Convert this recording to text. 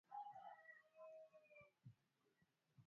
la Oghuz Oghuz ni akina nani Muungano wa kikabila wa Oghuz